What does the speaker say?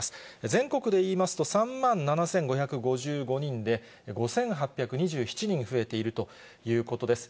全国でいいますと、３万７５５５人で、５８２７人増えているということです。